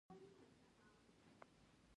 د ماشومانو روزنه د ټولنې لپاره حیاتي ده.